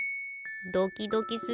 ドキドキする。